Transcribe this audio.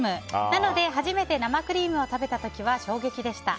なので初めて生クリームを食べた時は衝撃でした。